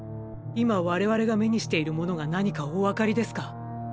今我々が目にしているものが何かおわかりですか？